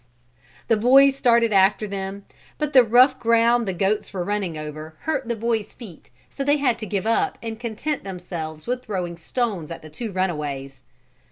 The boys started after them but the rough ground the goats were running over hurt the boys' feet so they had to give up and content themselves with throwing stones at the two runaways.